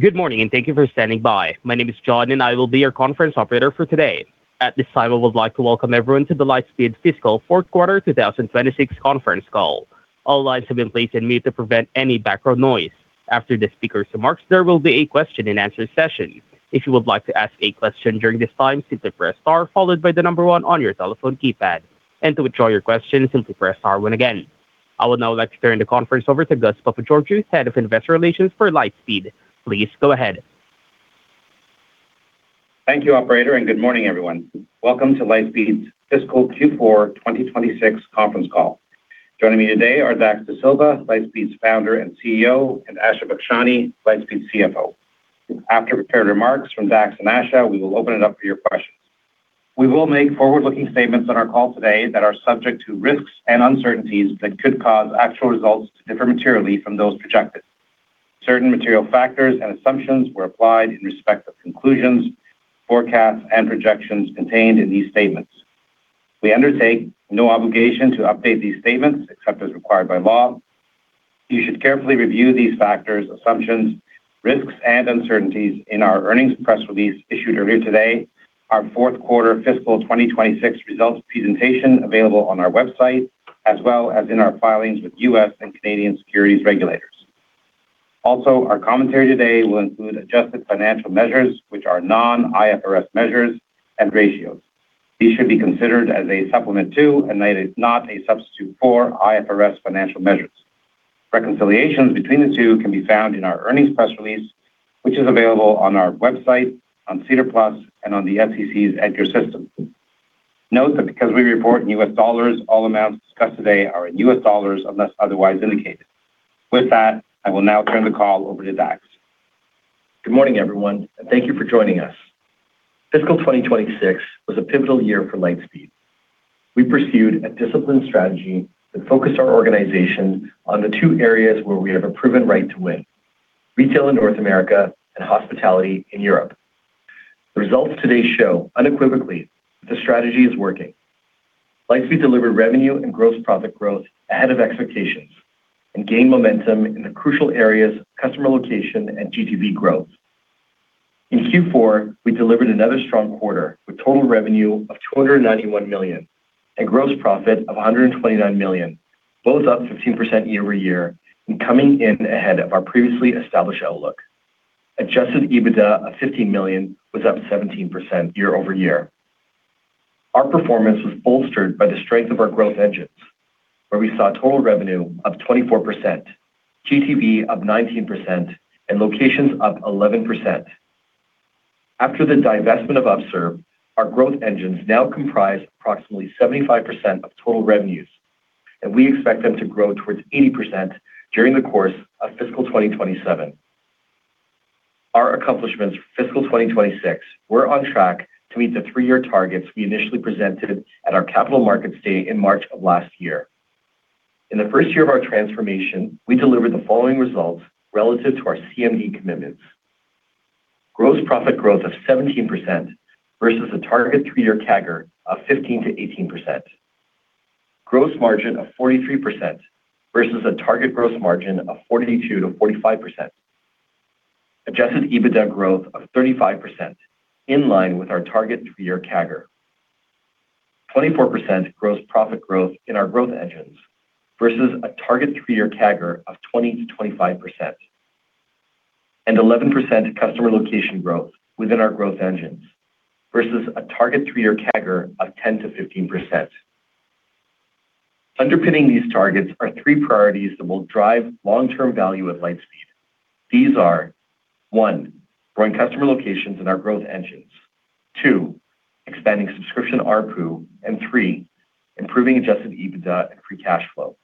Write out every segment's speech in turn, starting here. Good morning, and thank you for standing by. My name is John, and I will be your conference operator for today. At this time, I would like to welcome everyone to the Lightspeed fiscal fourth quarter 2026 conference call. All lines have been placed on mute to prevent any background noise. After the speakers' remarks, there will be a question-and-answer session. If you would like to ask a question during this time, simply press star followed by the number one on your telephone keypad. To withdraw your question, simply press star one again. I would now like to turn the conference over to Gus Papageorgiou, Head of Investor Relations for Lightspeed. Please go ahead. Thank you, operator, and good morning, everyone. Welcome to Lightspeed's fiscal Q4 2026 conference call. Joining me today are Dax Dasilva, Lightspeed's Founder and CEO, and Asha Bakshani, Lightspeed CFO. After prepared remarks from Dax and Asha, we will open it up for your questions. We will make forward-looking statements on our call today that are subject to risks and uncertainties that could cause actual results to differ materially from those projected. Certain material factors and assumptions were applied in respect of conclusions, forecasts, and projections contained in these statements. We undertake no obligation to update these statements except as required by law. You should carefully review these factors, assumptions, risks, and uncertainties in our earnings press release issued earlier today, our fourth quarter fiscal 2026 results presentation available on our website, as well as in our filings with U.S. and Canadian securities regulators. Also, our commentary today will include adjusted financial measures, which are non-IFRS measures and ratios. These should be considered as a supplement to and not a substitute for IFRS financial measures. Reconciliations between the two can be found in our earnings press release, which is available on our website, on SEDAR+, and on the SEC's EDGAR system. Note that because we report in US dollars, all amounts discussed today are in US dollars unless otherwise indicated. With that, I will now turn the call over to Dax. Good morning, everyone, and thank you for joining us. Fiscal 2026 was a pivotal year for Lightspeed. We pursued a disciplined strategy that focused our organization on the two areas where we have a proven right to win, retail in North America and hospitality in Europe. The results today show unequivocally that the strategy is working. Lightspeed delivered revenue and gross profit growth ahead of expectations and gained momentum in the crucial areas, customer location and GTV growth. In Q4, we delivered another strong quarter with total revenue of $291 million and gross profit of $129 million, both up 15% year-over-year and coming in ahead of our previously established outlook. Adjusted EBITDA of $15 million was up 17% year-over-year. Our performance was bolstered by the strength of our growth engines, where we saw total revenue up 24%, GTV up 19%, and locations up 11%. After the divestment of Upserve, our growth engines now comprise approximately 75% of total revenues, and we expect them to grow towards 80% during the course of fiscal 2027. Our accomplishments for fiscal 2026 were on track to meet the three-year targets we initially presented at our Capital Markets Day in March of last year. In the first year of our transformation, we delivered the following results relative to our CMD commitments. Gross profit growth of 17% versus a target three-year CAGR of 15%-18%. Gross margin of 43% versus a target gross margin of 42%-45%. Adjusted EBITDA growth of 35%, in line with our target three-year CAGR. 24% gross profit growth in our growth engines versus a target three-year CAGR of 20%-25%. 11% customer location growth within our growth engines versus a target three-year CAGR of 10%-15%. Underpinning these targets are three priorities that will drive long-term value at Lightspeed. These are, one, growing customer locations in our growth engines. Two, expanding subscription ARPU. Three, improving adjusted EBITDA and free cash flow.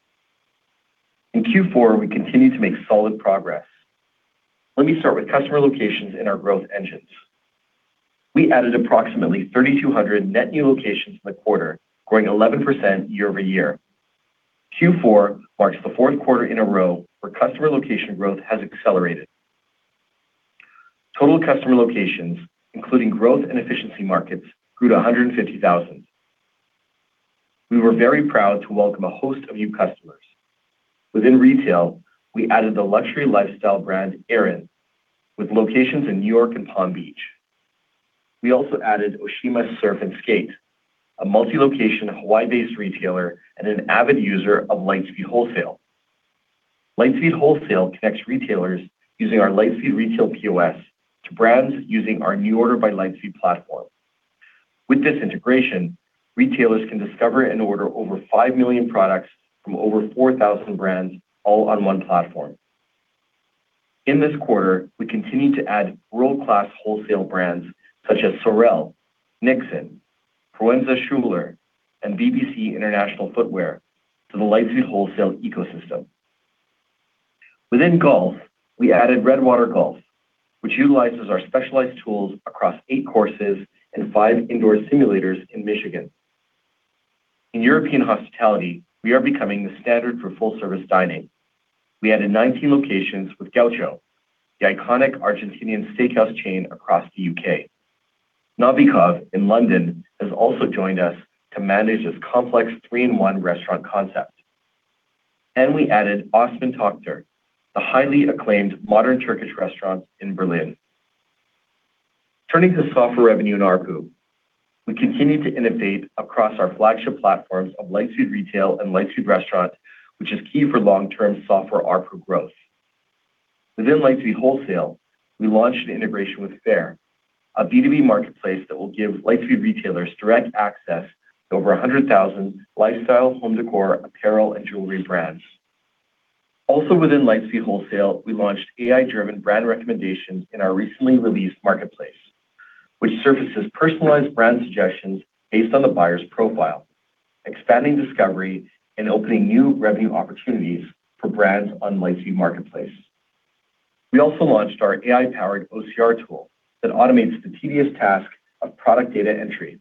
In Q4, we continued to make solid progress. Let me start with customer locations in our growth engines. We added approximately 3,200 net new locations in the quarter, growing 11% year-over-year. Q4 marks the fourth quarter in a row where customer location growth has accelerated. Total customer locations, including growth and efficiency markets, grew to 150,000. We were very proud to welcome a host of new customers. Within retail, we added the luxury lifestyle brand, AERIN, with locations in New York and Palm Beach. We also added Oshima Surf & Skate, a multi-location Hawaii-based retailer and an avid user of Lightspeed Wholesale. Lightspeed Wholesale connects retailers using our Lightspeed Retail POS to brands using our NuORDER by Lightspeed platform. With this integration, retailers can discover and order over 5 million products from over 4,000 brands, all on one platform. In this quarter, we continued to add world-class wholesale brands such as SOREL, Nixon, Proenza Schouler, and BBC International Footwear to the Lightspeed wholesale ecosystem. Within golf, we added RedWater Golf, which utilizes our specialized tools across eight courses and five indoor simulators in Michigan. In European hospitality, we are becoming the standard for full-service dining. We added 19 locations with Gaucho, the iconic Argentinian steakhouse chain across the U.K. Novikov in London has also joined us to manage this complex three-in-one restaurant concept. We added Osmans Töchter, the highly acclaimed modern Turkish restaurant in Berlin. Turning to software revenue and ARPU. We continue to innovate across our flagship platforms of Lightspeed Retail and Lightspeed Restaurant, which is key for long-term software ARPU growth. Within Lightspeed Wholesale, we launched an integration with Faire, a B2B marketplace that will give Lightspeed retailers direct access to over 100,000 lifestyle, home décor, apparel, and jewelry brands. Also within Lightspeed Wholesale, we launched AI-driven brand recommendations in our recently released marketplace, which surfaces personalized brand suggestions based on the buyer's profile, expanding discovery and opening new revenue opportunities for brands on Lightspeed Marketplace. We also launched our AI-powered OCR tool that automates the tedious task of product data entry,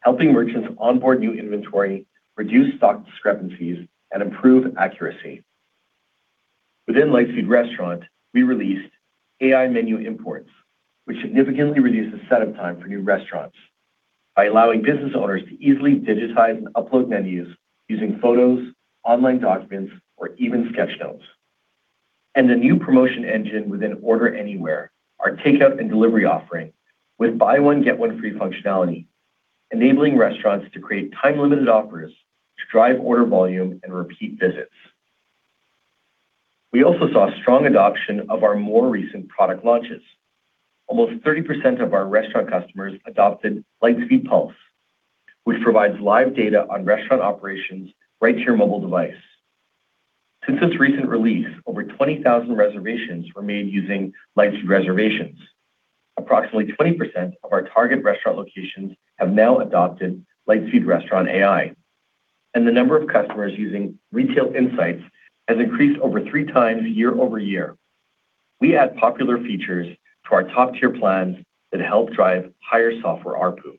helping merchants onboard new inventory, reduce stock discrepancies, and improve accuracy. Within Lightspeed Restaurant, we released AI menu imports, which significantly reduce the setup time for new restaurants by allowing business owners to easily digitize and upload menus using photos, online documents, or even sketch notes. The new promotion engine within Lightspeed Order Anywhere, our takeout and delivery offering, with buy one, get one free functionality, enabling restaurants to create time-limited offers to drive order volume and repeat visits. We also saw strong adoption of our more recent product launches. Almost 30% of our restaurant customers adopted Lightspeed Pulse, which provides live data on restaurant operations right to your mobile device. Since its recent release, over 20,000 reservations were made using Lightspeed Reservations. Approximately 20% of our target restaurant locations have now adopted Lightspeed Restaurant AI, and the number of customers using retail insights has increased over three times year-over-year. We add popular features to our top-tier plans that help drive higher software ARPU.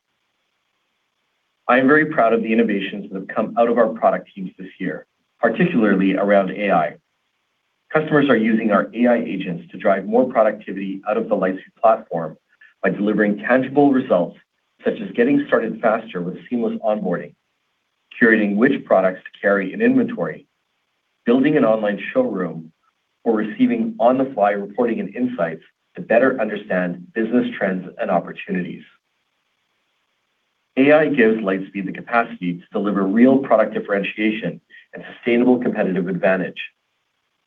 I am very proud of the innovations that have come out of our product teams this year, particularly around AI. Customers are using our AI agents to drive more productivity out of the Lightspeed platform by delivering tangible results, such as getting started faster with seamless onboarding, curating which products to carry in inventory, building an online showroom, or receiving on-the-fly reporting and insights to better understand business trends and opportunities. AI gives Lightspeed the capacity to deliver real product differentiation and sustainable competitive advantage.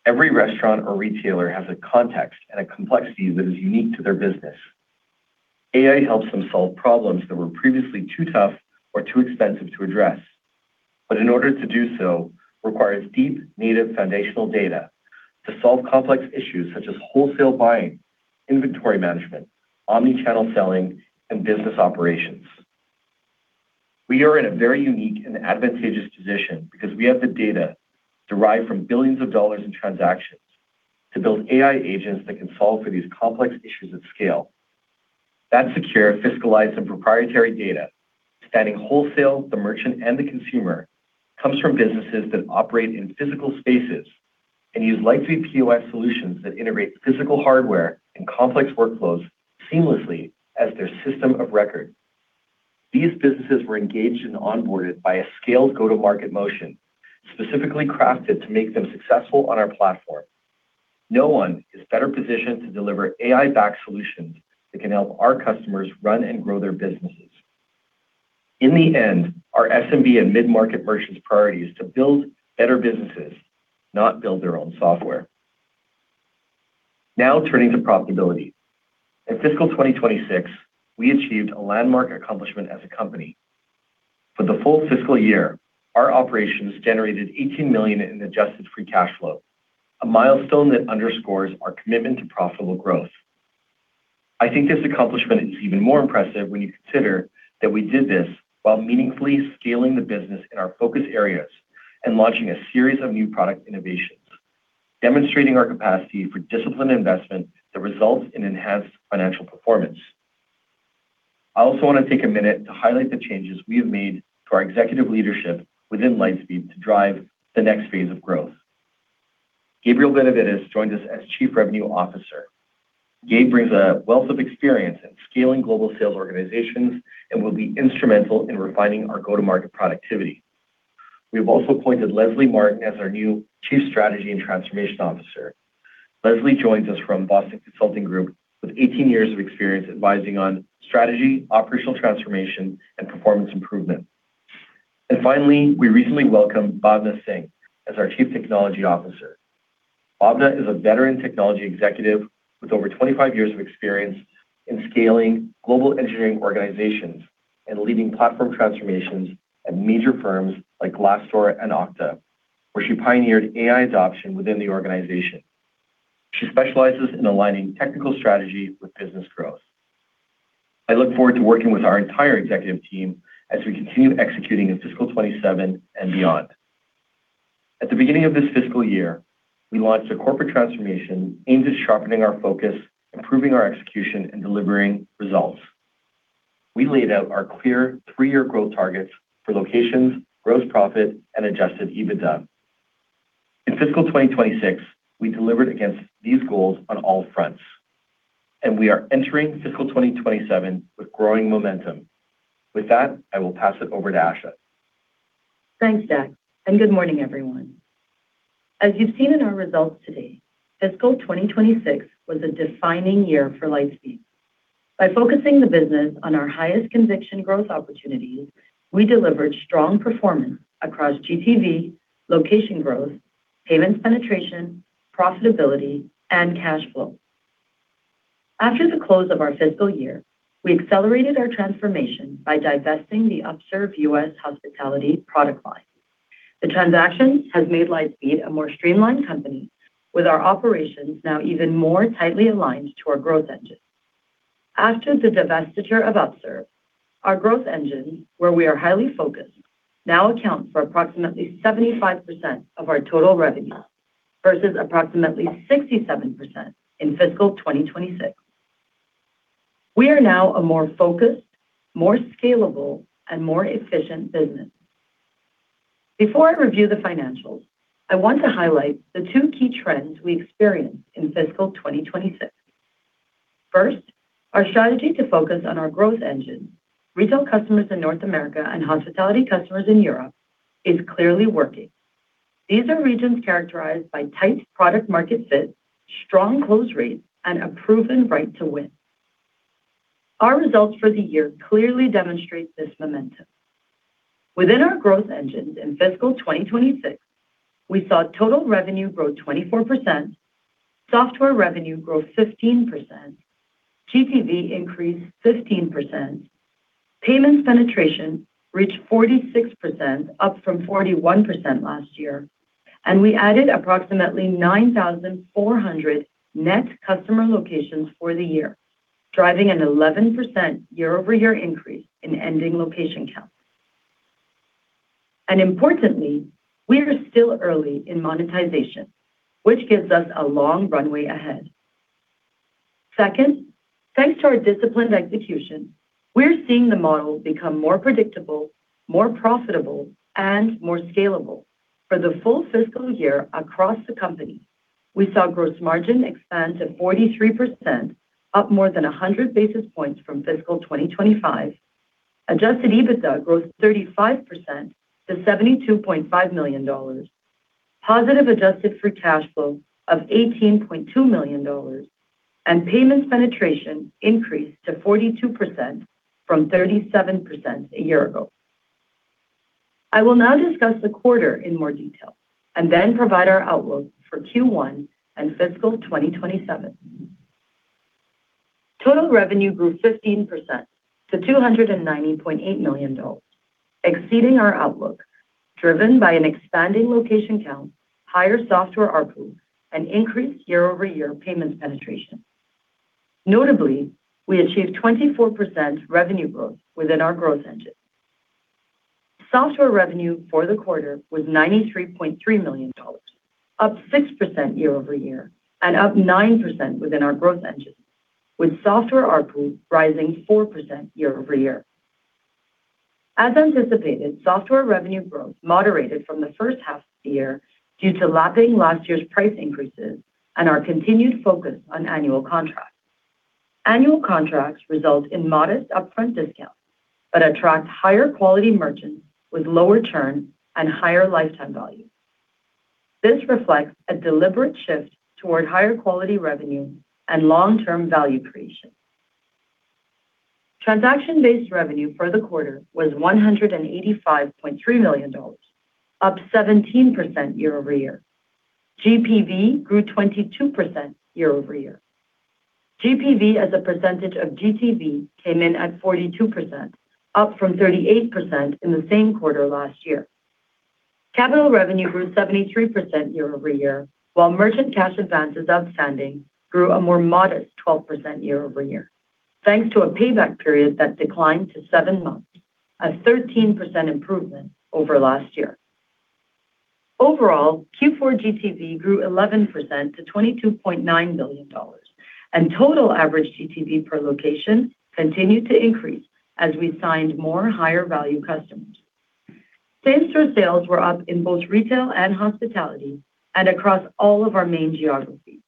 Every restaurant or retailer has a context and a complexity that is unique to their business. AI helps them solve problems that were previously too tough or too expensive to address, but in order to do so, requires deep native foundational data to solve complex issues such as wholesale buying, inventory management, omni-channel selling, and business operations. We are in a very unique and advantageous position because we have the data derived from billions of dollars in transactions to build AI agents that can solve for these complex issues at scale. That secure, fiscalized, and proprietary data, spanning wholesale, the merchant, and the consumer, comes from businesses that operate in physical spaces and use Lightspeed POS solutions that integrate physical hardware and complex workflows seamlessly as their system of record. These businesses were engaged and onboarded by a scaled go-to-market motion, specifically crafted to make them successful on our platform. No one is better positioned to deliver AI-backed solutions that can help our customers run and grow their businesses. In the end, our SMB and mid-market merchants' priority is to build better businesses, not build their own software. Now turning to profitability. In fiscal 2026, we achieved a landmark accomplishment as a company. For the full fiscal year, our operations generated $18 million in adjusted free cash flow, a milestone that underscores our commitment to profitable growth. I think this accomplishment is even more impressive when you consider that we did this while meaningfully scaling the business in our focus areas and launching a series of new product innovations, demonstrating our capacity for disciplined investment that results in enhanced financial performance. I also want to take a minute to highlight the changes we have made to our executive leadership within Lightspeed to drive the next phase of growth. Gabriel Benavides joined us as Chief Revenue Officer. Gabe brings a wealth of experience in scaling global sales organizations and will be instrumental in refining our go-to-market productivity. We have also appointed Leslie Martin as our new Chief Strategy and Transformation Officer. Leslie joins us from Boston Consulting Group with 18 years of experience advising on strategy, operational transformation, and performance improvement. Finally, we recently welcomed Bhawna Singh as our Chief Technology Officer. Bhawna is a veteran technology executive with over 25 years of experience in scaling global engineering organizations and leading platform transformations at major firms like Glassdoor and Okta, where she pioneered AI adoption within the organization. She specializes in aligning technical strategy with business growth. I look forward to working with our entire executive team as we continue executing in fiscal 2027 and beyond. At the beginning of this fiscal year, we launched a corporate transformation aimed at sharpening our focus, improving our execution, and delivering results. We laid out our clear three-year growth targets for locations, gross profit, and adjusted EBITDA. In fiscal 2026, we delivered against these goals on all fronts. We are entering fiscal 2027 with growing momentum. With that, I will pass it over to Asha. Thanks, Dax, good morning, everyone. As you've seen in our results today, fiscal 2026 was a defining year for Lightspeed. By focusing the business on our highest conviction growth opportunities, we delivered strong performance across GTV, location growth, payments penetration, profitability, and cash flow. After the close of our fiscal year, we accelerated our transformation by divesting the Upserve U.S. Hospitality product line. The transaction has made Lightspeed a more streamlined company, with our operations now even more tightly aligned to our growth engine. After the divestiture of Upserve, our growth engine, where we are highly focused, now accounts for approximately 75% of our total revenue versus approximately 67% in fiscal 2026. We are now a more focused, more scalable, and more efficient business. Before I review the financials, I want to highlight the two key trends we experienced in fiscal 2026. First, our strategy to focus on our growth engine, retail customers in North America, and hospitality customers in Europe, is clearly working. These are regions characterized by tight product-market fit, strong close rates, and a proven right to win. Our results for the year clearly demonstrate this momentum. Within our growth engines in fiscal 2026, we saw total revenue grow 24%, software revenue grow 15%, GTV increase 15%, payments penetration reach 46%, up from 41% last year, and we added approximately 9,400 net customer locations for the year, driving an 11% year-over-year increase in ending location count. Importantly, we are still early in monetization, which gives us a long runway ahead. Second, thanks to our disciplined execution, we're seeing the model become more predictable, more profitable, and more scalable. For the full fiscal year across the company, we saw gross margin expand to 43%, up more than 100 basis points from fiscal 2025. Adjusted EBITDA grows 35% to $72.5 million. Positive adjusted free cash flow of $18.2 million and payments penetration increased to 42% from 37% a year ago. I will now discuss the quarter in more detail and then provide our outlook for Q1 and fiscal 2027. Total revenue grew 15% to $290.8 million, exceeding our outlook, driven by an expanding location count, higher software ARPU, and increased year-over-year payments penetration. Notably, we achieved 24% revenue growth within our growth engine. Software revenue for the quarter was $93.3 million, up 6% year-over-year and up 9% within our growth engine, with software ARPU rising 4% year-over-year. As anticipated, software revenue growth moderated from the first half of the year due to lapping last year's price increases and our continued focus on annual contracts. Annual contracts result in modest upfront discounts but attract higher quality merchants with lower churn and higher lifetime value. This reflects a deliberate shift toward higher quality revenue and long-term value creation. Transaction-based revenue for the quarter was $185.3 million, up 17% year-over-year. GPV grew 22% year-over-year. GPV as a percentage of GTV came in at 42%, up from 38% in the same quarter last year. Capital revenue grew 73% year-over-year, while merchant cash advances outstanding grew a more modest 12% year-over-year, thanks to a payback period that declined to seven months, a 13% improvement over last year. Overall, Q4 GTV grew 11% to $22.9 billion, and total average GTV per location continued to increase as we signed more higher value customers. Same-store sales were up in both retail and hospitality and across all of our main geographies.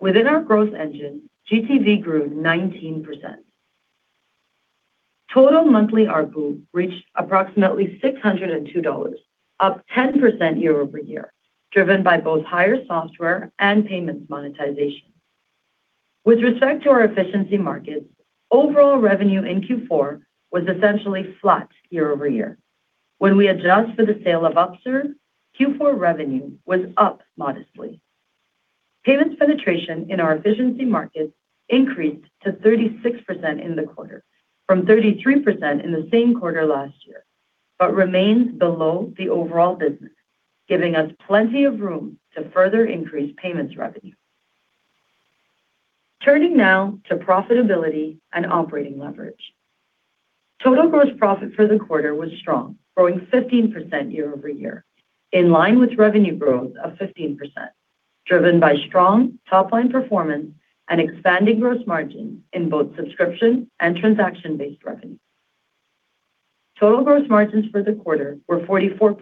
Within our growth engine, GTV grew 19%. Total monthly ARPU reached approximately $602, up 10% year-over-year, driven by both higher software and payments monetization. With respect to our efficiency markets, overall revenue in Q4 was essentially flat year-over-year. When we adjust for the sale of Upserve, Q4 revenue was up modestly. Payments penetration in our efficiency markets increased to 36% in the quarter from 33% in the same quarter last year, but remains below the overall business, giving us plenty of room to further increase payments revenue. Turning now to profitability and operating leverage. Total gross profit for the quarter was strong, growing 15% year-over-year, in line with revenue growth of 15%, driven by strong top-line performance and expanding gross margin in both subscription and transaction-based revenues. Total gross margins for the quarter were 44%,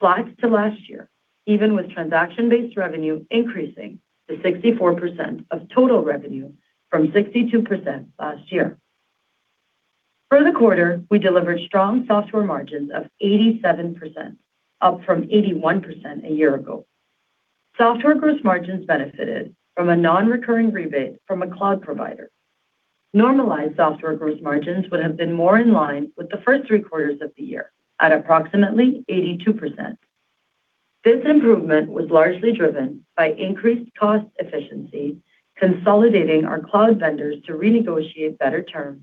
flat to last year, even with transaction-based revenue increasing to 64% of total revenue from 62% last year. For the quarter, we delivered strong software margins of 87%, up from 81% a year ago. Software gross margins benefited from a non-recurring rebate from a cloud provider. Normalized software gross margins would have been more in line with the first three quarters of the year at approximately 82%. This improvement was largely driven by increased cost efficiency, consolidating our cloud vendors to renegotiate better terms,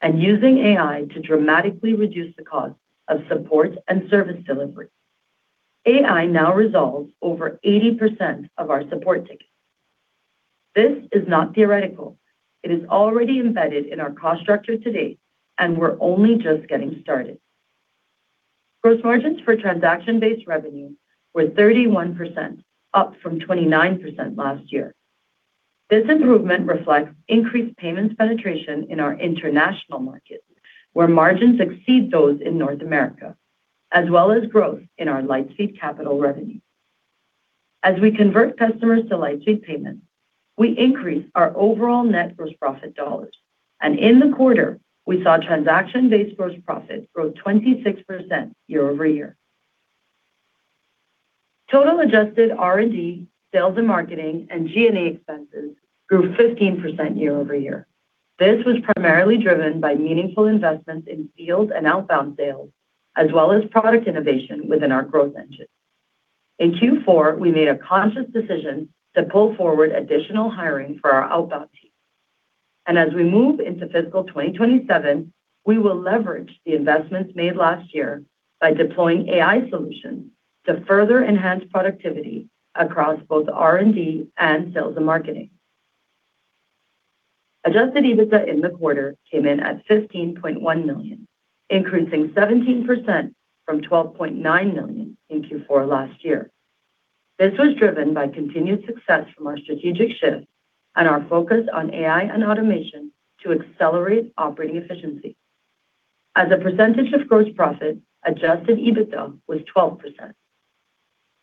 and using AI to dramatically reduce the cost of support and service delivery. AI now resolves over 80% of our support tickets. This is not theoretical. It is already embedded in our cost structure today, and we're only just getting started. Gross margins for transaction-based revenue were 31%, up from 29% last year. This improvement reflects increased Payments penetration in our international markets, where margins exceed those in North America, as well as growth in our Lightspeed Capital revenue. As we convert customers to Lightspeed Payments, we increase our overall net gross profit dollars. In the quarter, we saw transaction-based gross profit grow 26% year-over-year. Total adjusted R&D, sales and marketing, and G&A expenses grew 15% year-over-year. This was primarily driven by meaningful investments in field and outbound sales, as well as product innovation within our growth engine. In Q4, we made a conscious decision to pull forward additional hiring for our outbound team. As we move into fiscal 2027, we will leverage the investments made last year by deploying AI solutions to further enhance productivity across both R&D and sales and marketing. Adjusted EBITDA in the quarter came in at $15.1 million, increasing 17% from $12.9 million in Q4 last year. This was driven by continued success from our strategic shift and our focus on AI and automation to accelerate operating efficiency. As a percentage of gross profit, Adjusted EBITDA was 12%.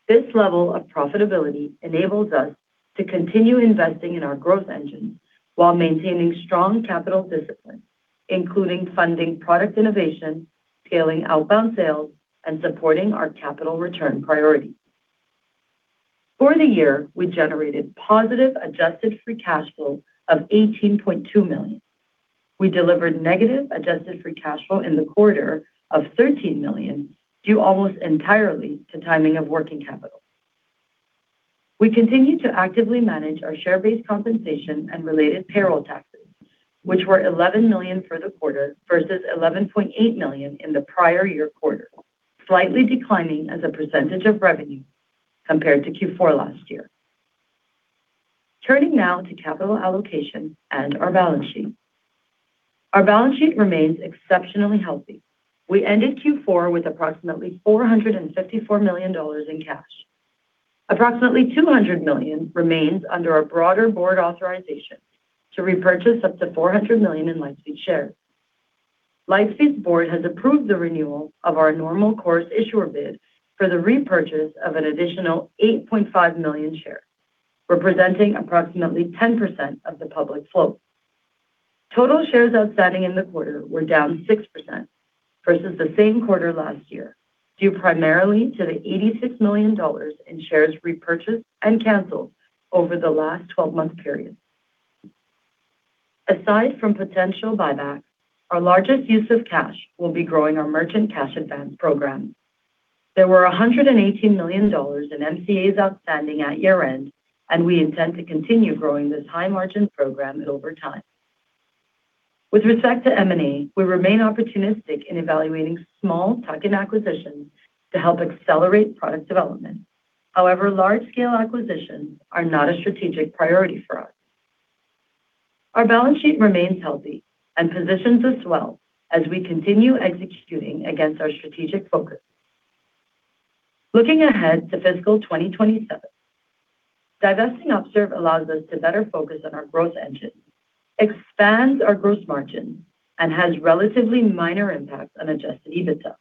This level of profitability enables us to continue investing in our growth engine while maintaining strong capital discipline, including funding product innovation, scaling outbound sales, and supporting our capital return priorities. For the year, we generated positive adjusted free cash flow of $18.2 million. We delivered negative adjusted free cash flow in the quarter of $13 million, due almost entirely to timing of working capital. We continue to actively manage our share-based compensation and related payroll taxes, which were $11 million for the quarter versus $11.8 million in the prior year quarter, slightly declining as a % of revenue compared to Q4 last year. Turning now to capital allocation and our balance sheet. Our balance sheet remains exceptionally healthy. We ended Q4 with approximately $454 million in cash. Approximately $200 million remains under our broader board authorization to repurchase up to $400 million in Lightspeed shares. Lightspeed's board has approved the renewal of our normal course issuer bid for the repurchase of an additional 8.5 million shares, representing approximately 10% of the public float. Total shares outstanding in the quarter were down 6% versus the same quarter last year, due primarily to the $86 million in shares repurchased and canceled over the last 12-month period. Aside from potential buybacks, our largest use of cash will be growing our merchant cash advance program. There were $118 million in MCAs outstanding at year-end, and we intend to continue growing this high-margin program over time. With respect to M&A, we remain opportunistic in evaluating small tuck-in acquisitions to help accelerate product development. Large-scale acquisitions are not a strategic priority for us. Our balance sheet remains healthy and positions us well as we continue executing against our strategic focus. Looking ahead to fiscal 2027, divesting Upserve allows us to better focus on our growth engine, expands our gross margin, and has relatively minor impact on adjusted EBITDA.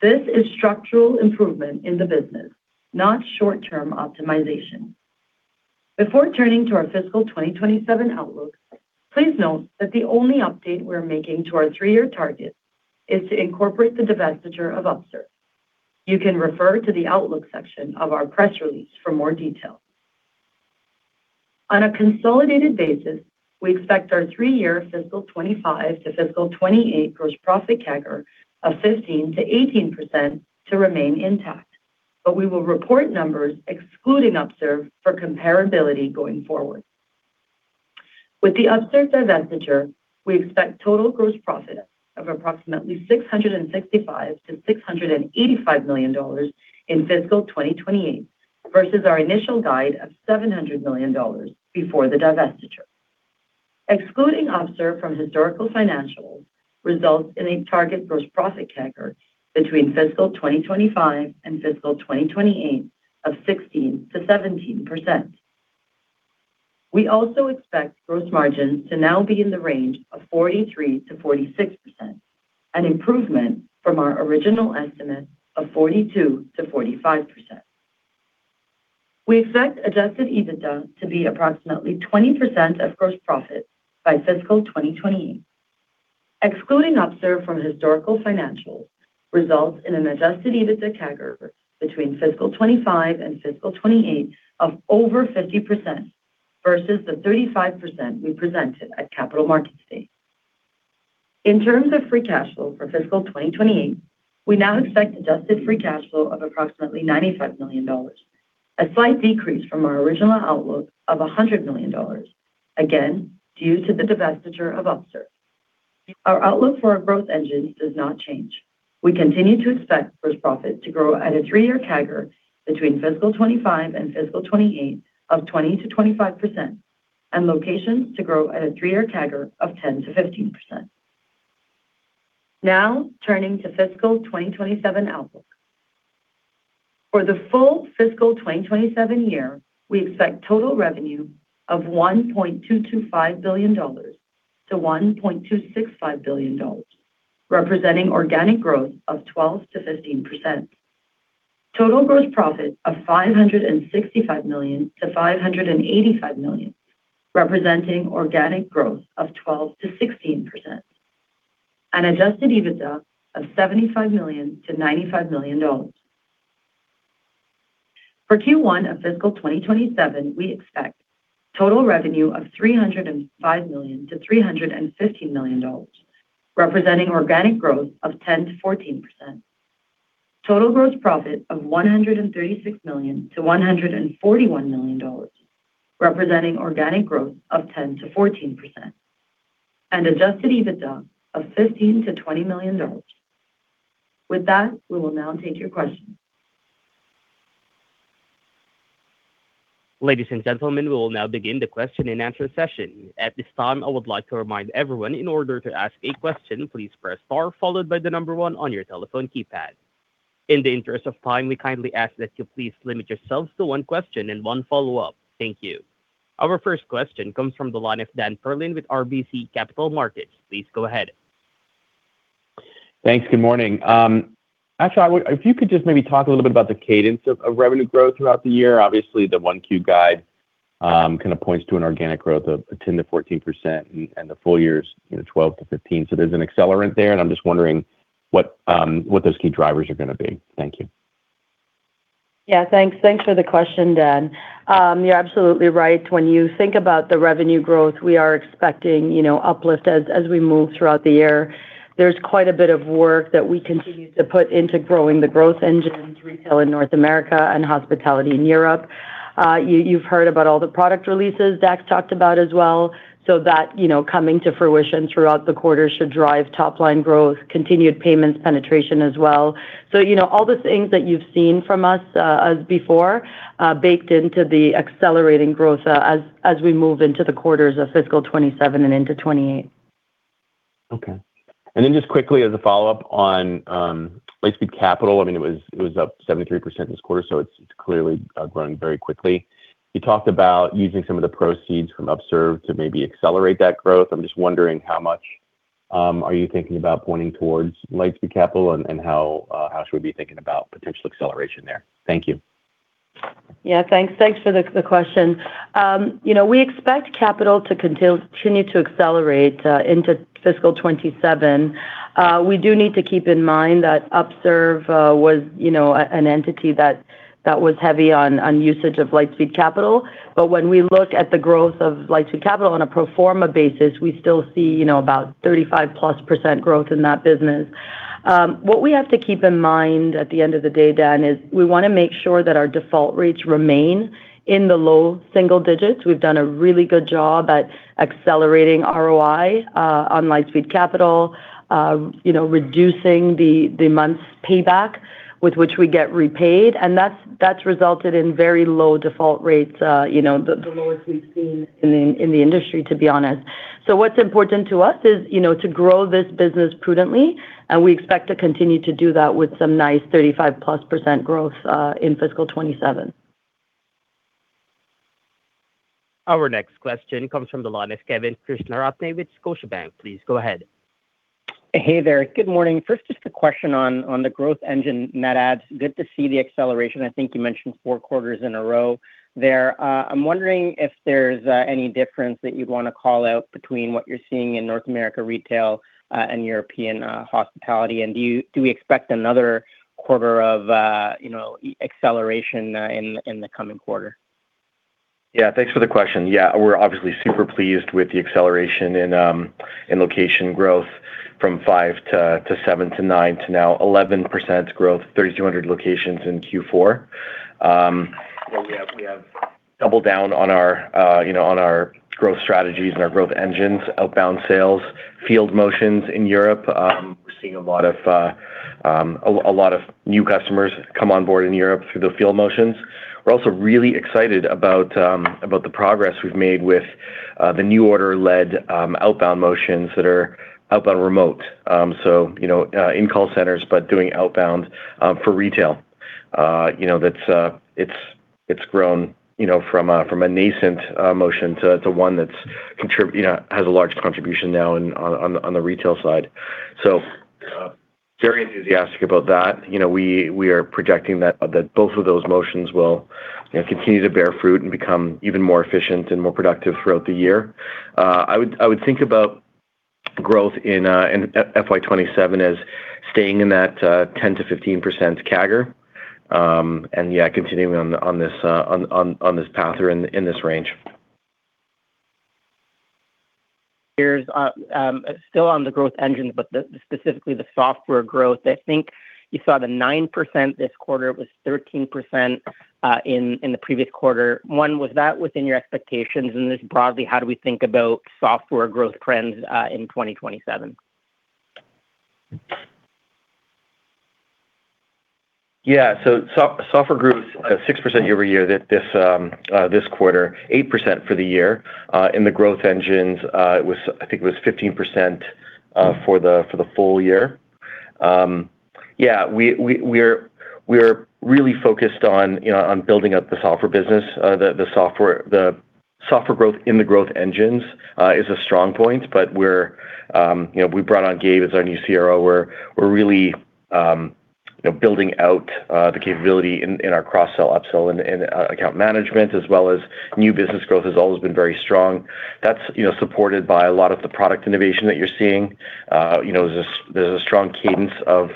This is structural improvement in the business, not short-term optimization. Before turning to our fiscal 2027 outlook, please note that the only update we're making to our three-year targets is to incorporate the divestiture of Upserve. You can refer to the Outlook section of our press release for more details. On a consolidated basis, we expect our three-year fiscal 2025 to fiscal 2028 gross profit CAGR of 15%-18% to remain intact. We will report numbers excluding Upserve for comparability going forward. With the Upserve divestiture, we expect total gross profit of approximately $665 million-$685 million in fiscal 2028 versus our initial guide of $700 million before the divestiture. Excluding Upserve from historical financials results in a target gross profit CAGR between fiscal 2025 and fiscal 2028 of 16%-17%. We also expect gross margin to now be in the range of 43%-46%, an improvement from our original estimate of 42%-45%. We expect adjusted EBITDA to be approximately 20% of gross profit by fiscal 2028. Excluding Upserve from historical financials results in an adjusted EBITDA CAGR between fiscal 2025 and fiscal 2028 of over 50% versus the 35% we presented at Capital Markets Day. In terms of free cash flow for fiscal 2028, we now expect adjusted free cash flow of approximately $95 million, a slight decrease from our original outlook of $100 million, again due to the divestiture of Upserve. Our outlook for our growth engines does not change. We continue to expect gross profit to grow at a three-year CAGR between fiscal 2025 and fiscal 2028 of 20%-25% and locations to grow at a three-year CAGR of 10%-15%. Now turning to fiscal 2027 outlook. For the full fiscal 2027 year, we expect total revenue of $1.225 billion-$1.265 billion, representing organic growth of 12%-15%. Total gross profit of $565 million-$585 million, representing organic growth of 12%-16%. An adjusted EBITDA of $75 million-$95 million. For Q1 of fiscal 2027, we expect total revenue of $305 million-$315 million, representing organic growth of 10%-14%. Total gross profit of $136 million-$141 million, representing organic growth of 10%-14%. Adjusted EBITDA of $15 million-$20 million. With that, we will now take your questions. Ladies and gentlemen, we will now begin the question and answer session. At this time, I would like to remind everyone, in order to ask a question, please press star followed by the number one on your telephone keypad. In the interest of time, we kindly ask that you please limit yourselves to one question and one follow-up. Thank you. Our first question comes from the line of Dan Perlin with RBC Capital Markets. Please go ahead. Thanks. Good morning. If you could just maybe talk a little bit about the cadence of revenue growth throughout the year. Obviously, the 1Q guide kind of points to an organic growth of 10%-14%, and the full year's 12%-15%. There's an accelerant there, and I'm just wondering what those key drivers are going to be. Thank you. Yeah, thanks for the question, Dan. You're absolutely right. When you think about the revenue growth we are expecting uplift as we move throughout the year. There's quite a bit of work that we continue to put into growing the growth engines Retail in North America and hospitality in Europe. You've heard about all the product releases Dax talked about as well, that coming to fruition throughout the quarter should drive top-line growth, continued Payments penetration as well. All the things that you've seen from us before baked into the accelerating growth as we move into the quarters of fiscal 2027 and into 2028. Okay. Just quickly as a follow-up on Lightspeed Capital. It was up 73% this quarter, so it is clearly growing very quickly. You talked about using some of the proceeds from Upserve to maybe accelerate that growth. I am just wondering how much are you thinking about pointing towards Lightspeed Capital and how should we be thinking about potential acceleration there? Thank you. Thanks for the question. We expect capital to continue to accelerate into fiscal 2027. We do need to keep in mind that Upserve was an entity that was heavy on usage of Lightspeed Capital. When we look at the growth of Lightspeed Capital on a pro forma basis, we still see about 35%+ growth in that business. What we have to keep in mind at the end of the day, Dan, is we want to make sure that our default rates remain in the low single digits. We've done a really good job at accelerating ROI on Lightspeed Capital, reducing the months payback with which we get repaid, and that's resulted in very low default rates. The lowest we've seen in the industry, to be honest. What's important to us is to grow this business prudently, and we expect to continue to do that with some nice 35+% growth in fiscal 2027. Our next question comes from the line of Kevin Krishnaratne with Scotiabank. Please go ahead. Hey there. Good morning. First, just a question on the growth engine net adds. Good to see the acceleration. I think you mentioned four quarters in a row there. I'm wondering if there's any difference that you'd want to call out between what you're seeing in North American Retail and European hospitality. Do we expect another quarter of acceleration in the coming quarter? Thanks for the question. We're obviously super pleased with the acceleration in location growth from 5% to 7% to 9% to now 11% growth, 3,200 locations in Q4. We have doubled down on our growth strategies and our growth engines, outbound sales, field motions in Europe. We're seeing a lot of new customers come on board in Europe through the field motions. We're also really excited about the progress we've made with the new order-led outbound motions that are outbound remote. In call centers, but doing outbound for retail. That's grown from a nascent motion to one that has a large contribution now on the retail side. Very enthusiastic about that. We are projecting that both of those motions will continue to bear fruit and become even more efficient and more productive throughout the year. I would think about growth in FY 2027 as staying in that 10%-15% CAGR. Yeah, continuing on this path or in this range. Still on the growth engines, specifically the software growth. I think you saw the 9% this quarter. It was 13% in the previous quarter. One, was that within your expectations? Just broadly, how do we think about software growth trends in 2027? Yeah. Software growth 6% year-over-year this quarter, 8% for the year. In the growth engines, I think it was 15% for the full year. Yeah, we're really focused on building up the software business. The software growth in the growth engines is a strong point, we brought on Gabe as our new CRO. We're really building out the capability in our cross-sell, upsell, and account management, as well as new business growth has always been very strong. That's supported by a lot of the product innovation that you're seeing. There's a strong cadence of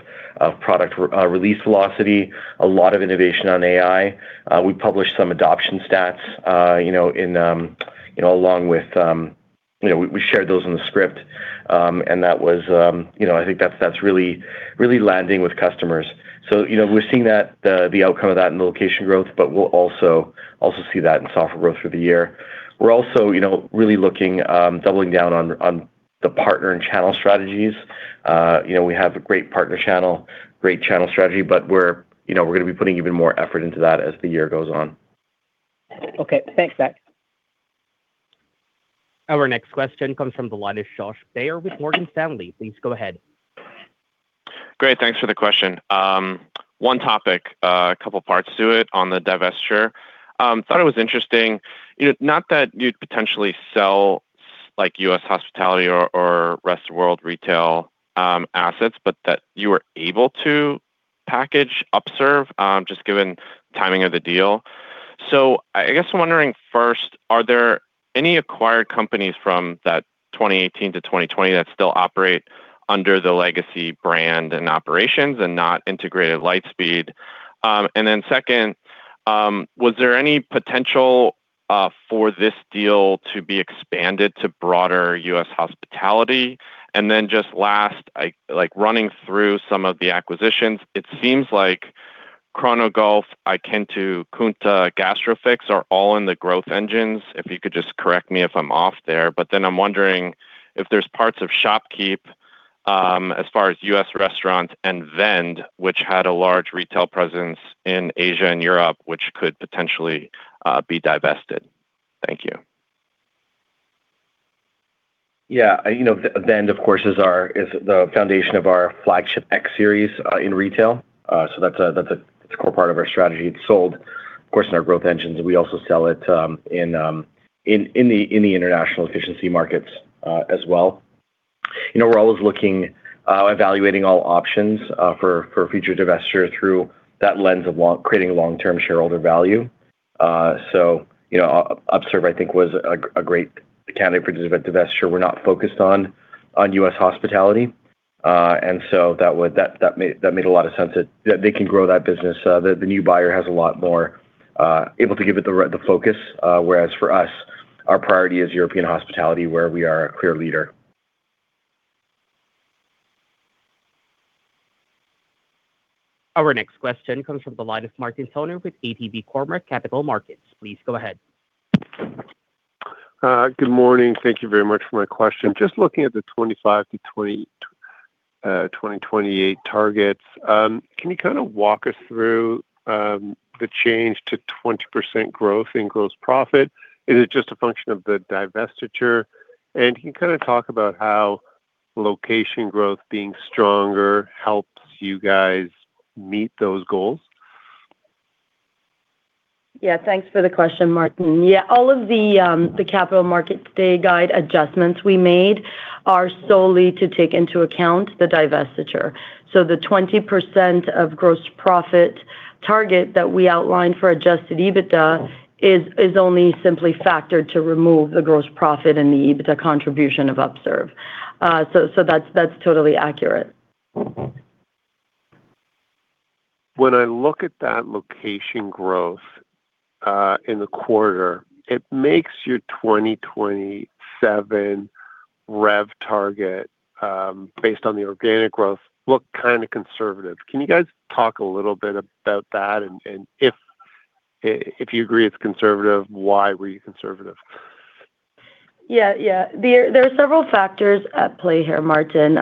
product release velocity. A lot of innovation on AI. We published some adoption stats, we shared those in the script, I think that's really landing with customers. We're seeing the outcome of that in location growth, we'll also see that in software growth through the year. We're also really doubling down on the partner and channel strategies. We have a great partner channel, great channel strategy. We're going to be putting even more effort into that as the year goes on. Okay, thanks Dax. Our next question comes from the line of Josh Baer with Morgan Stanley. Please go ahead. Great, thanks for the question. One topic, a couple of parts to it on the divestiture. Thought it was interesting, not that you'd potentially sell like U.S. hospitality or Rest of World Retail assets, but that you were able to package Upserve, just given timing of the deal. I guess I'm wondering first, are there any acquired companies from that 2018 to 2020 that still operate under the legacy brand and operations and not integrated Lightspeed? Second, was there any potential for this deal to be expanded to broader U.S. hospitality? Just last, running through some of the acquisitions, it seems like Chronogolf, iKentoo, Kounta, Gastrofix are all in the growth engines. If you could just correct me if I'm off there. I'm wondering if there's parts of ShopKeep as far as U.S. Restaurants and Vend, which had a large retail presence in Asia and Europe, which could potentially be divested. Thank you. Vend, of course, is the foundation of our flagship X-Series in retail. That is a core part of our strategy. It is sold, of course, in our growth engines. We also sell it in the international efficiency markets as well. We are always looking, evaluating all options for future divestitures through that lens of creating long-term shareholder value. Upserve, I think, was a great candidate for divestiture. We are not focused on U.S. Hospitality. That made a lot of sense that they can grow that business. The new buyer has a lot more able to give it the focus. Whereas for us, our priority is European Hospitality, where we are a clear leader. Our next question comes from the line of Martin Toner with ATB Cormark Capital Markets. Please go ahead. Good morning. Thank you very much for my question. Just looking at the 2025 to 2028 targets, can you kind of walk us through the change to 20% growth in gross profit? Is it just a function of the divestiture? Can you kind of talk about how location growth being stronger helps you guys meet those goals? Yeah. Thanks for the question, Martin. Yeah, all of the Capital Markets Day guide adjustments we made are solely to take into account the divestiture. The 20% of gross profit target that we outlined for adjusted EBITDA is only simply factored to remove the gross profit and the EBITDA contribution of Upserve. That's totally accurate. When I look at that location growth in the quarter, it makes your 2027 rev target, based on the organic growth, look kind of conservative. Can you guys talk a little bit about that? If you agree it's conservative, why were you conservative? Yeah. There are several factors at play here, Martin.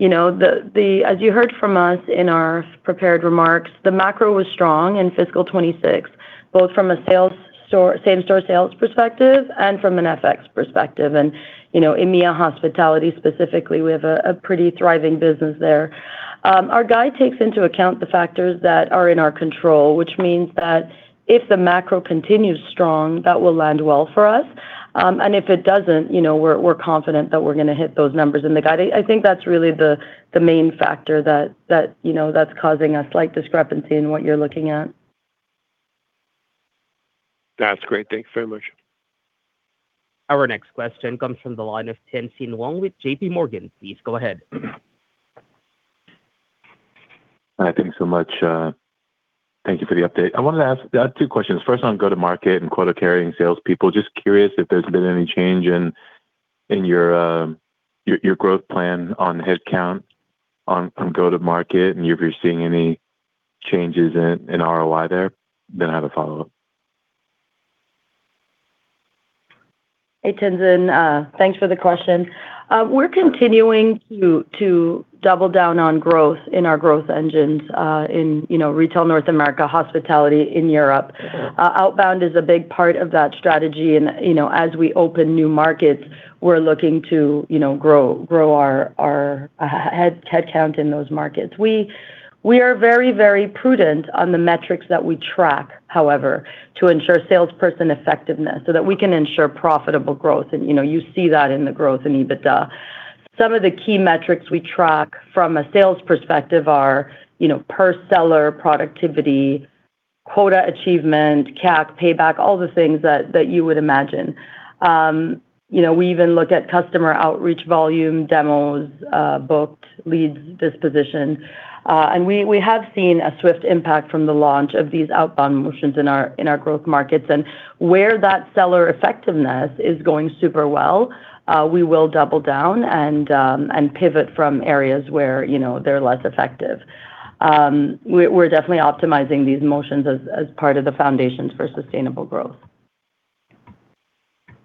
As you heard from us in our prepared remarks, the macro was strong in fiscal 2026 both from a same-store sales perspective and from an FX perspective. In EMEA hospitality specifically, we have a pretty thriving business there. Our guide takes into account the factors that are in our control, which means that if the macro continues strong, that will land well for us. If it doesn't, we're confident that we're going to hit those numbers in the guide. I think that's really the main factor that's causing a slight discrepancy in what you're looking at. That's great. Thanks very much. Our next question comes from the line of Tien-tsin Huang with J.P. Morgan. Please go ahead. Hi, thanks so much. Thank you for the update. I wanted to ask two questions. First on go-to-market and quota-carrying salespeople, just curious if there's been any change in your growth plan on headcount on go-to-market, and if you're seeing any changes in ROI there. I have a follow-up. Hey, Tien-tsin. Thanks for the question. We're continuing to double down on growth in our growth engines in retail North America, hospitality in Europe. Outbound is a big part of that strategy, and as we open new markets, we're looking to grow our headcount in those markets. We are very prudent on the metrics that we track, however, to ensure salesperson effectiveness so that we can ensure profitable growth. You see that in the growth in EBITDA. Some of the key metrics we track from a sales perspective are per-seller productivity, quota achievement, CAC payback, all the things that you would imagine. We even look at customer outreach volume, demos, booked leads, disposition. We have seen a swift impact from the launch of these outbound motions in our growth markets. Where that seller effectiveness is going super well, we will double down and pivot from areas where they're less effective. We're definitely optimizing these motions as part of the foundations for sustainable growth.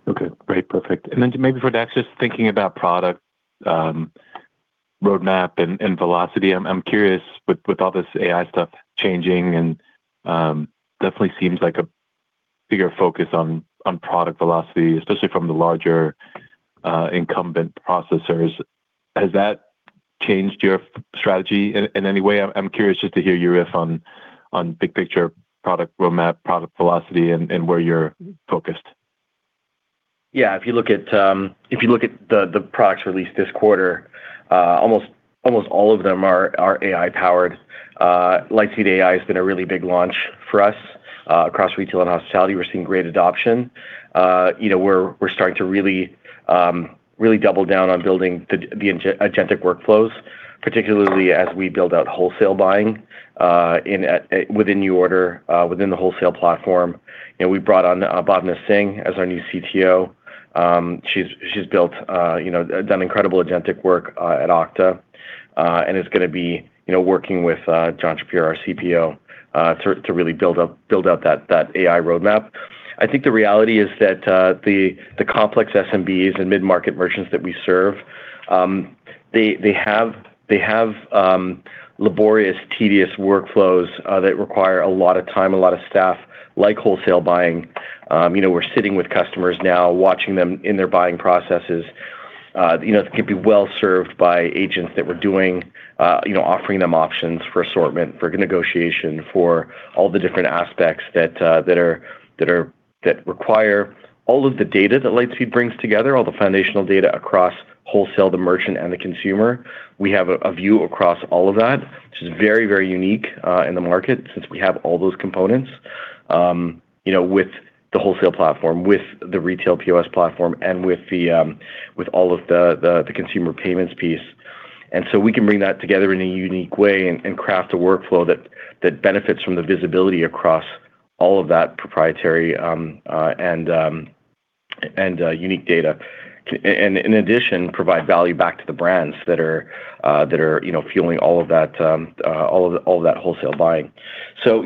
Okay. Great. Perfect. Maybe for Dax, just thinking about product roadmap and velocity, I'm curious with all this AI stuff changing and definitely seems like a bigger focus on product velocity, especially from the larger incumbent processors. Has that changed your strategy in any way? I'm curious just to hear your riff on big picture product roadmap, product velocity, and where you're focused. If you look at the products released this quarter, almost all of them are AI-powered. Lightspeed AI has been a really big launch for us across retail and hospitality. We're seeing great adoption. We're starting to really double down on building the agentic workflows, particularly as we build out wholesale buying within NuORDER, within the wholesale platform. We brought on Bhawna Singh as our new CTO. She's done incredible agentic work at Okta, and is going to be working with John Shapiro, our CPO, to really build out that AI roadmap. I think the reality is that the complex SMBs and mid-market merchants that we serve, they have laborious, tedious workflows that require a lot of time, a lot of staff, like wholesale buying. We're sitting with customers now, watching them in their buying processes, that can be well served by agents that we're doing, offering them options for assortment, for negotiation, for all the different aspects that require all of the data that Lightspeed brings together, all the foundational data across wholesale, the merchant, and the consumer. We have a view across all of that, which is very unique in the market since we have all those components with the wholesale platform, with the retail POS platform, and with all of the consumer payments piece. So we can bring that together in a unique way and craft a workflow that benefits from the visibility across all of that proprietary and unique data. In addition, provide value back to the brands that are fueling all of that wholesale buying.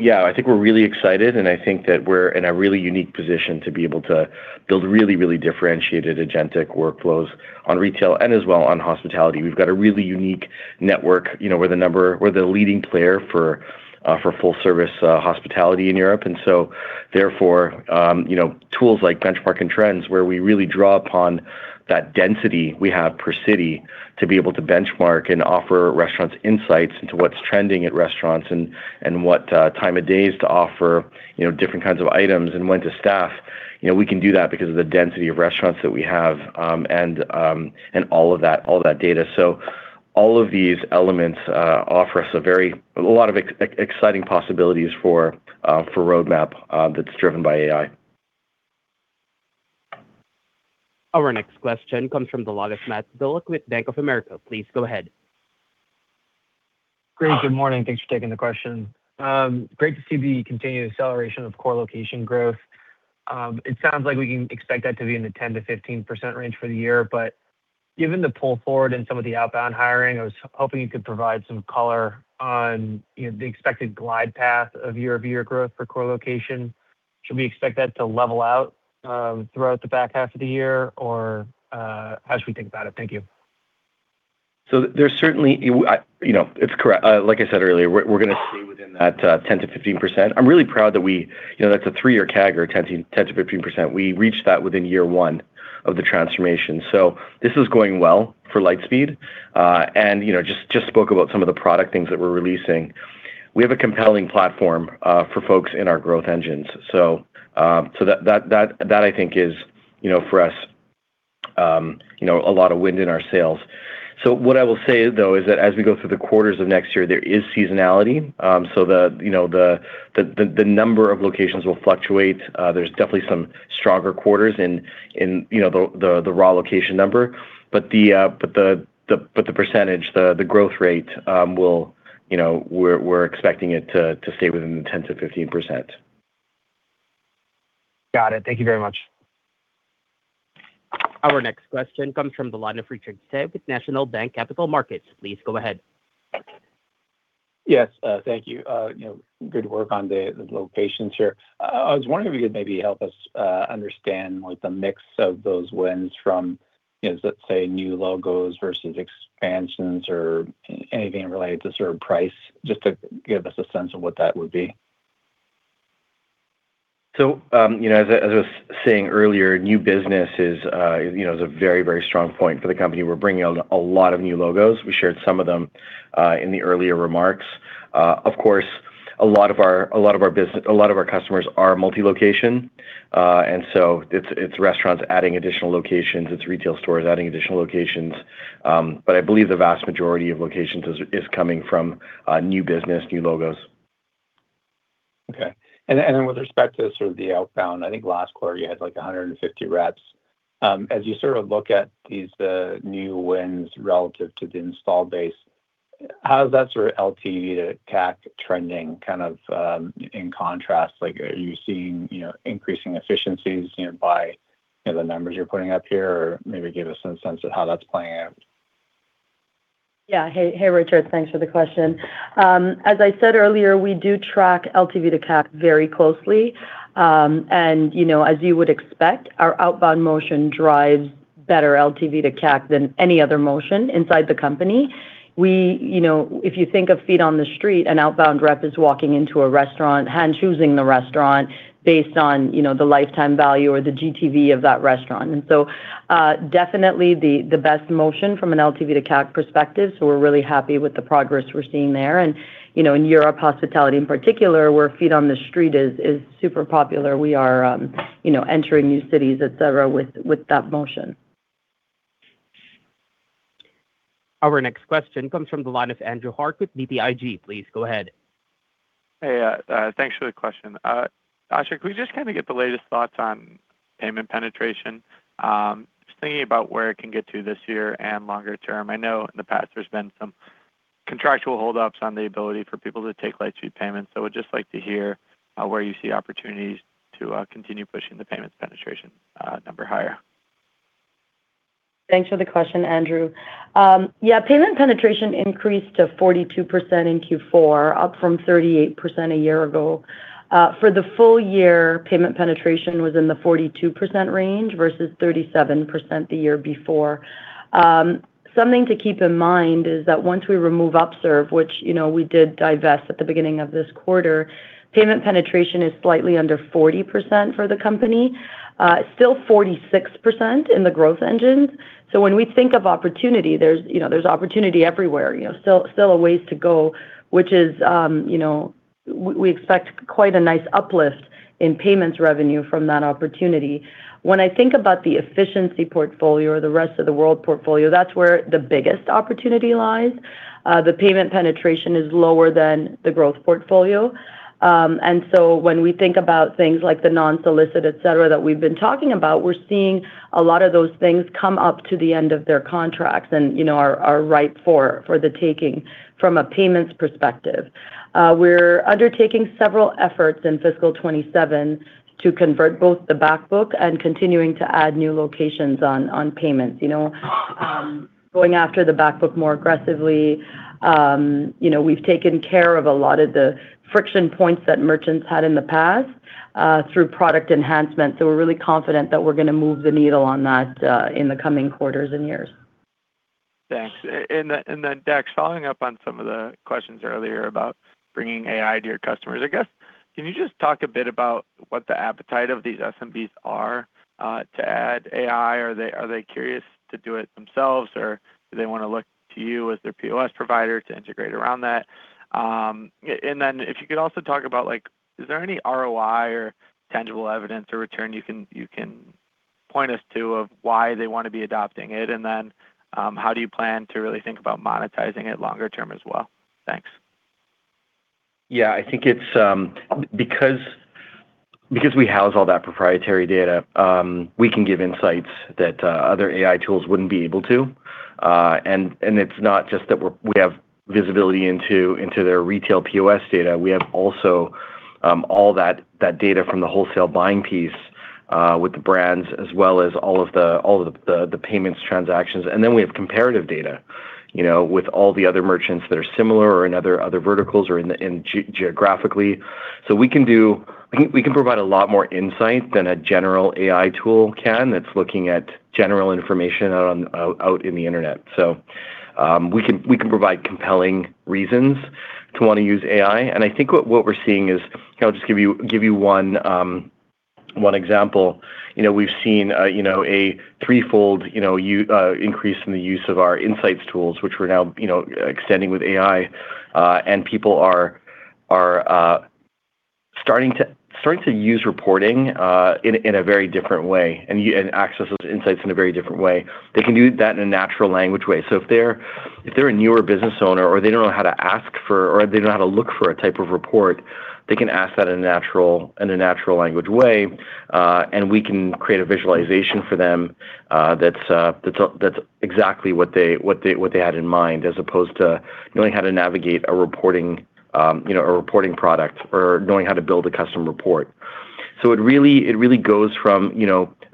Yeah, I think we're really excited, and I think that we're in a really unique position to be able to build really differentiated agentic workflows on retail and as well on hospitality. We've got a really unique network. We're the leading player for full-service hospitality in Europe, therefore, tools like Benchmarks and Trends, where we really draw upon that density we have per city to be able to benchmark and offer restaurants insights into what's trending at restaurants, and what time of day is to offer different kinds of items, and when to staff. We can do that because of the density of restaurants that we have, and all of that data. All of these elements offer us a lot of exciting possibilities for roadmap that's driven by AI. Our next question comes from the line of Matt Bullock with Bank of America. Please go ahead. Great. Good morning. Thanks for taking the question. Great to see the continued acceleration of core location growth. It sounds like we can expect that to be in the 10%-15% range for the year, but given the pull forward in some of the outbound hiring, I was hoping you could provide some color on the expected glide path of year-over-year growth for core location. Should we expect that to level out throughout the back half of the year, or how should we think about it? Thank you. There's certainly, it's correct. Like I said earlier, we're going to stay within that 10%-15%. I'm really proud that we, that's a three-year CAGR, or 10%-15%. We reached that within year one of the transformation. This is going well for Lightspeed. Just spoke about some of the product things that we're releasing. We have a compelling platform for folks in our growth engines. That I think is, for us, a lot of wind in our sails. What I will say though, is that as we go through the quarters of next year, there is seasonality. The number of locations will fluctuate. There's definitely some stronger quarters in the raw location number. The percentage, the growth rate, we're expecting it to stay within the 10%-15%. Got it. Thank you very much. Our next question comes from the line of Richard Tse with National Bank Capital Markets. Please go ahead. Yes. Thank you. Good work on the locations here. I was wondering if you could maybe help us understand the mix of those wins from, let's say, new logos versus expansions or anything related to sort of price, just to give us a sense of what that would be. As I was saying earlier, new business is a very strong point for the company. We're bringing on a lot of new logos. We shared some of them in the earlier remarks. Of course, a lot of our customers are multi-location. It's restaurants adding additional locations, it's retail stores adding additional locations. I believe the vast majority of locations is coming from new business, new logos. Okay. Then with respect to sort of the outbound, I think last quarter you had like 150 reps. As you sort of look at these new wins relative to the installed base, how is that sort of LTV to CAC trending kind of in contrast? Are you seeing increasing efficiencies by the numbers you're putting up here? Maybe give us some sense of how that's playing out. Yeah. Hey, Richard. Thanks for the question. As I said earlier, we do track LTV to CAC very closely. As you would expect, our outbound motion drives better LTV to CAC than any other motion inside the company. If you think of feet on the street, an outbound rep is walking into a restaurant, hand-choosing the restaurant based on the lifetime value or the GTV of that restaurant. Definitely the best motion from an LTV to CAC perspective, so we're really happy with the progress we're seeing there. In Europe hospitality in particular, where feet on the street is super popular, we are entering new cities, et cetera, with that motion. Our next question comes from the line of Andrew Harte with BTIG. Please go ahead. Hey. Thanks for the question. Asha, can we just get the latest thoughts on payment penetration? Just thinking about where it can get to this year and longer term. I know in the past there's been some contractual hold-ups on the ability for people to take Lightspeed Payments. I would just like to hear where you see opportunities to continue pushing the payments penetration number higher. Thanks for the question, Andrew. Yeah, payment penetration increased to 42% in Q4, up from 38% a year ago. For the full year, payment penetration was in the 42% range versus 37% the year before. Something to keep in mind is that once we remove Upserve, which we did divest at the beginning of this quarter, payment penetration is slightly under 40% for the company. Still 46% in the growth engines. When we think of opportunity, there's opportunity everywhere. Still a ways to go, which is, we expect quite a nice uplift in payments revenue from that opportunity. When I think about the efficiency portfolio or the rest of the world portfolio, that's where the biggest opportunity lies. The payment penetration is lower than the growth portfolio. When we think about things like the non-solicit, et cetera, that we've been talking about, we're seeing a lot of those things come up to the end of their contracts and are ripe for the taking from a payments perspective. We're undertaking several efforts in fiscal 2027 to convert both the back book and continuing to add new locations on payments. Going after the back book more aggressively. We've taken care of a lot of the friction points that merchants had in the past, through product enhancement. We're really confident that we're going to move the needle on that in the coming quarters and years. Thanks. Dax, following up on some of the questions earlier about bringing AI to your customers, I guess, can you just talk a bit about what the appetite of these SMBs are to add AI? Are they curious to do it themselves, or do they want to look to you as their POS provider to integrate around that? If you could also talk about, is there any ROI or tangible evidence or return you can point us to of why they want to be adopting it? How do you plan to really think about monetizing it longer term as well? Thanks. Yeah, I think it's because we house all that proprietary data, we can give insights that other AI tools wouldn't be able to. It's not just that we have visibility into their retail POS data. We have also all that data from the wholesale buying piece, with the brands, as well as all of the payments transactions. Then we have comparative data with all the other merchants that are similar or in other verticals, or geographically. So we can provide a lot more insight than a general AI tool can that's looking at general information out in the internet. We can provide compelling reasons to want to use AI. I think what we're seeing is, I'll just give you one example. We've seen a three-fold increase in the use of our insights tools, which we're now extending with AI, and people are starting to use reporting in a very different way, and access those insights in a very different way. They can do that in a natural language way. If they're a newer business owner or they don't know how to ask for, or they don't know how to look for a type of report, they can ask that in a natural language way, and we can create a visualization for them that's exactly what they had in mind, as opposed to knowing how to navigate a reporting product or knowing how to build a custom report. It really goes from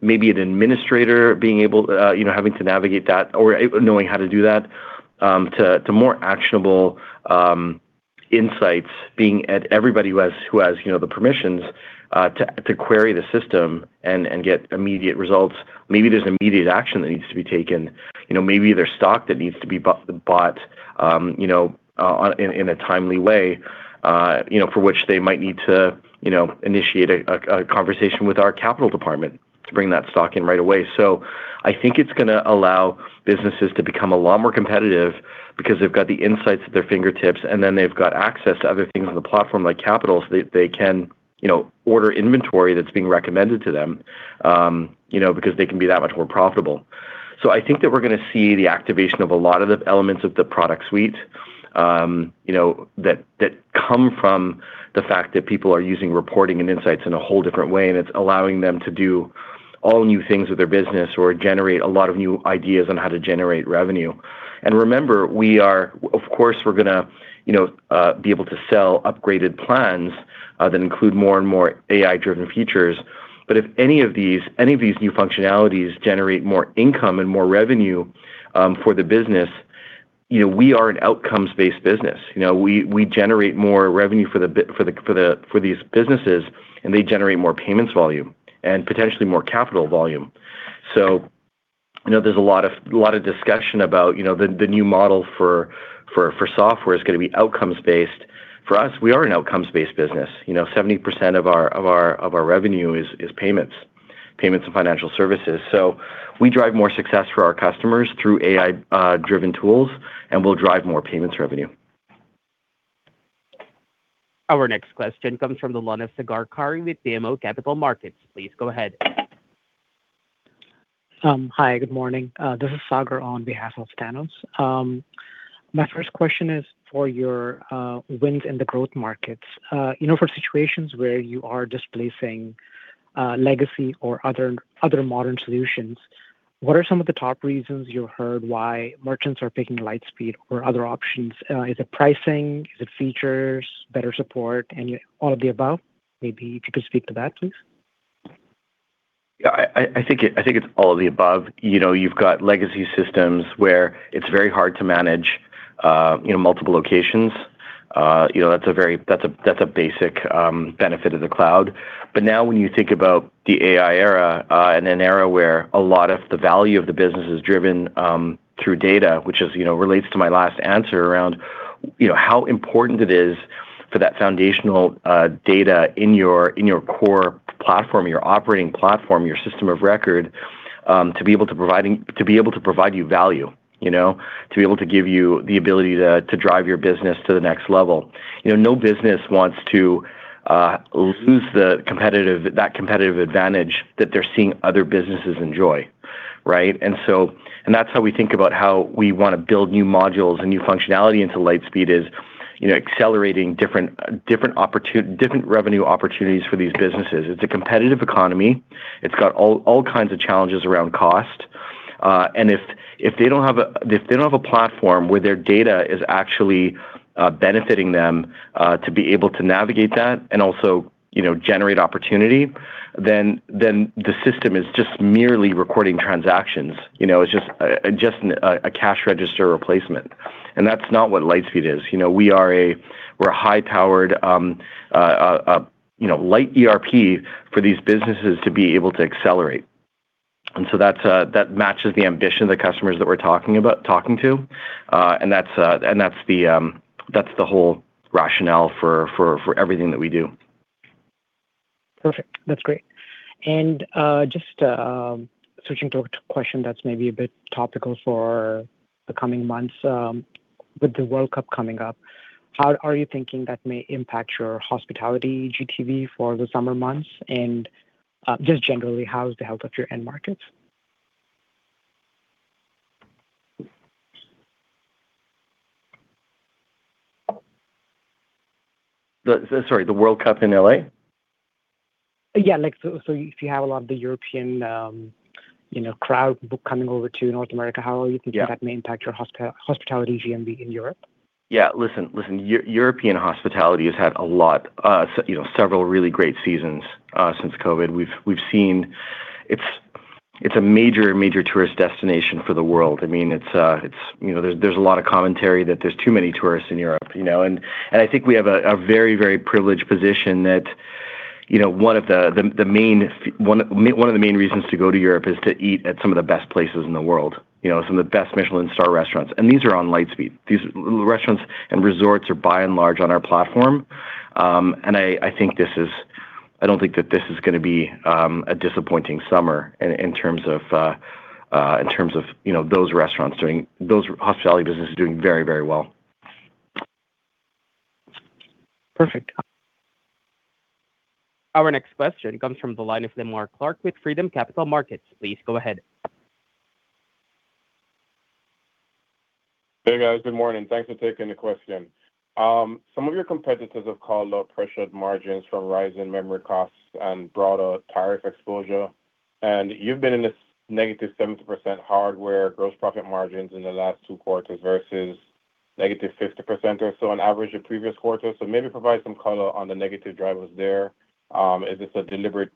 maybe an administrator having to navigate that or knowing how to do that, to more actionable insights being at everybody who has the permissions to query the system and get immediate results. Maybe there's immediate action that needs to be taken. Maybe there's stock that needs to be bought in a timely way, for which they might need to initiate a conversation with our capital department to bring that stock in right away. I think it's going to allow businesses to become a lot more competitive because they've got the insights at their fingertips, and then they've got access to other things on the platform, like capital, so they can order inventory that's being recommended to them, because they can be that much more profitable. I think that we're going to see the activation of a lot of the elements of the product suite that come from the fact that people are using reporting and insights in a whole different way, and it's allowing them to do all new things with their business, or generate a lot of new ideas on how to generate revenue. Remember, of course, we're going to be able to sell upgraded plans that include more and more AI-driven features. If any of these new functionalities generate more income and more revenue for the business, we are an outcomes-based business. We generate more revenue for these businesses, and they generate more payments volume and potentially more capital volume. There's a lot of discussion about the new model for software is going to be outcomes based. For us, we are an outcomes-based business. 70% of our revenue is payments and financial services. We drive more success for our customers through AI-driven tools, and we'll drive more payments revenue. Our next question comes from Sagar Karri with BMO Capital Markets. Please go ahead. Hi, good morning. This is Sagar on behalf of Thanos. My first question is for your wins in the growth markets. For situations where you are displacing legacy or other modern solutions, what are some of the top reasons you heard why merchants are picking Lightspeed or other options? Is it pricing? Is it features, better support, and all of the above? Maybe if you could speak to that, please. Yeah, I think it's all of the above. You've got legacy systems where it's very hard to manage multiple locations. That's a basic benefit of the cloud. Now when you think about the AI era, and an era where a lot of the value of the business is driven through data, which relates to my last answer around how important it is for that foundational data in your core platform, your operating platform, your system of record, to be able to provide you value, to be able to give you the ability to drive your business to the next level. No business wants to lose that competitive advantage that they're seeing other businesses enjoy. Right? That's how we think about how we want to build new modules and new functionality into Lightspeed is accelerating different revenue opportunities for these businesses. It's a competitive economy. It's got all kinds of challenges around cost. If they don't have a platform where their data is actually benefiting them to be able to navigate that and also generate opportunity, then the system is just merely recording transactions. It's just a cash register replacement, and that's not what Lightspeed is. We're a high-powered light ERP for these businesses to be able to accelerate. That matches the ambition of the customers that we're talking to, and that's the whole rationale for everything that we do. Perfect. That's great. Just switching to a question that's maybe a bit topical for the coming months. With the World Cup coming up, how are you thinking that may impact your hospitality GTV for the summer months? Just generally, how's the health of your end markets? Sorry, the World Cup in L.A.? Yeah, if you have a lot of the European crowd coming over to North America, how are you thinking? Yeah. That may impact your hospitality GTV in Europe? Yeah. Listen. European hospitality has had several really great seasons since COVID. We've seen It's a major tourist destination for the world. There's a lot of commentary that there's too many tourists in Europe. I think we have a very privileged position that one of the main reasons to go to Europe is to eat at some of the best places in the world, some of the best Michelin star restaurants, and these are on Lightspeed. These restaurants and resorts are by and large on our platform. I don't think that this is going to be a disappointing summer in terms of those restaurants. Those hospitality businesses are doing very well. Perfect. Our next question comes from the line of Lemar Clarke with Freedom Capital Markets. Please go ahead. Hey, guys. Good morning. Thanks for taking the question. Some of your competitors have called out pressured margins from rising memory costs and broader tariff exposure. You've been in this -70% hardware gross profit margins in the last two quarters versus -50% or so on average of previous quarters. Maybe provide some color on the negative drivers there. Is this a deliberate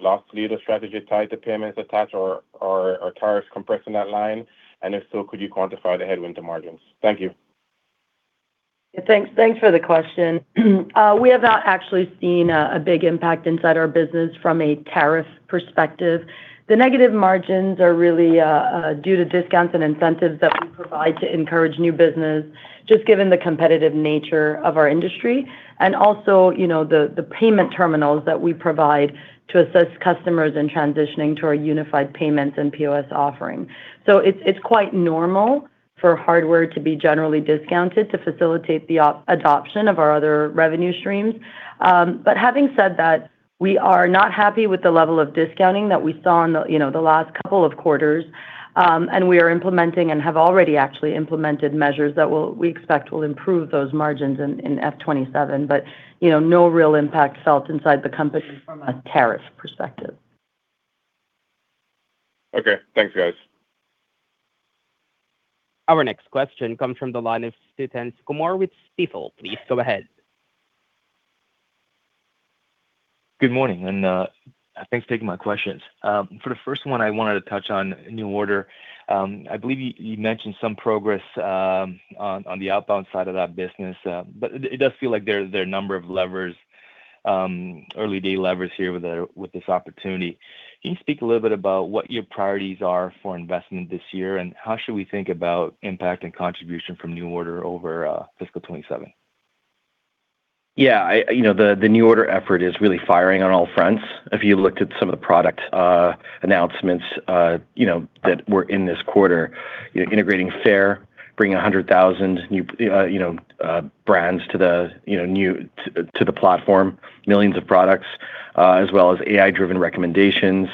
loss leader strategy tied to payments attached or are tariffs compressing that line? If so, could you quantify the headwind to margins? Thank you. Thanks for the question. We have not actually seen a big impact inside our business from a tariff perspective. The negative margins are really due to discounts and incentives that we provide to encourage new business, just given the competitive nature of our industry. Also, the payment terminals that we provide to assist customers in transitioning to our unified payments and POS offering. It's quite normal for hardware to be generally discounted to facilitate the adoption of our other revenue streams. Having said that, we are not happy with the level of discounting that we saw in the last couple of quarters. We are implementing and have already actually implemented measures that we expect will improve those margins in F 2027. No real impact felt inside the company from a tariff perspective. Okay. Thanks, guys. Our next question comes from the line of Suthan Sukumar with Stifel. Please go ahead. Good morning, and thanks for taking my questions. For the first one, I wanted to touch on NuORDER. I believe you mentioned some progress on the outbound side of that business. It does feel like there are a number of early-day levers here with this opportunity. Can you speak a little bit about what your priorities are for investment this year, and how should we think about impact and contribution from NuORDER over fiscal 2027? The NuORDER by Lightspeed effort is really firing on all fronts. If you looked at some of the product announcements that were in this quarter, integrating Faire, bringing 100,000 new brands to the platform, millions of products, as well as AI-driven recommendations.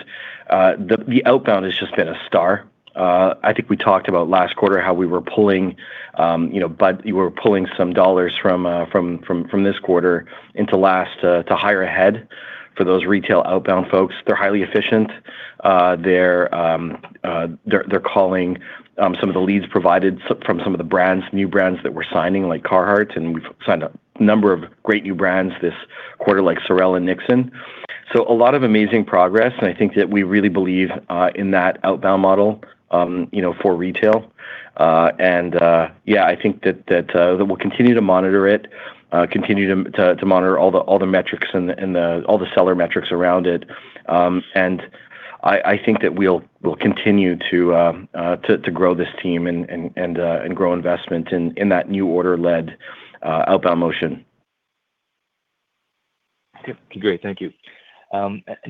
The outbound has just been a star. I think we talked about last quarter how we were pulling some dollars from this quarter into last to hire ahead for those retail outbound folks. They're highly efficient. They're calling some of the leads provided from some of the new brands that we're signing, like Carhartt, and we've signed a number of great new brands this quarter, like SOREL and Nixon. A lot of amazing progress, and I think that we really believe in that outbound model for retail. Yeah, I think that we'll continue to monitor it, continue to monitor all the metrics and all the seller metrics around it. I think that we'll continue to grow this team and grow investment in that NuORDER-led outbound motion. Great. Thank you.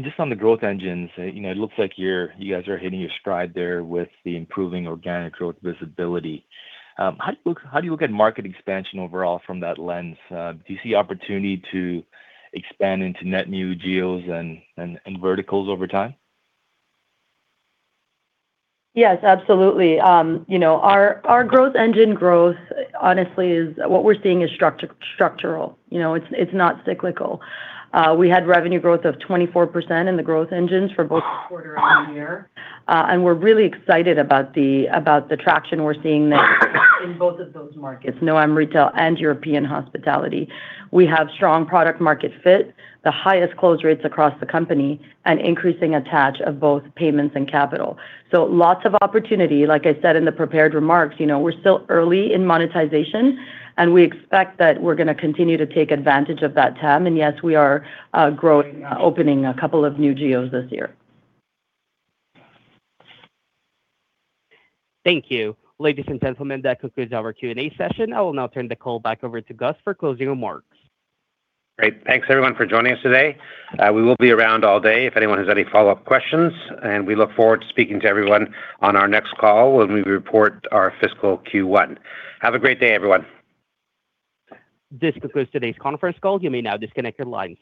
Just on the growth engines, it looks like you guys are hitting your stride there with the improving organic growth visibility. How do you look at market expansion overall from that lens? Do you see opportunity to expand into net new geos and verticals over time? Yes, absolutely. Our growth engine, honestly what we're seeing is structural. It's not cyclical. We had revenue growth of 24% in the growth engines for both quarter on year. We're really excited about the traction we're seeing there in both of those markets, NAM Retail and European Hospitality. We have strong product market fit, the highest close rates across the company, and increasing attach of both payments and capital. Lots of opportunity. Like I said in the prepared remarks, we're still early in monetization, and we expect that we're going to continue to take advantage of that TAM. Yes, we are growing, opening a couple of new geos this year. Thank you. Ladies and gentlemen, that concludes our Q&A session. I will now turn the call back over to Gus for closing remarks. Great. Thanks everyone for joining us today. We will be around all day if anyone has any follow-up questions. We look forward to speaking to everyone on our next call when we report our fiscal Q1. Have a great day, everyone. This concludes today's conference call. You may now disconnect your lines.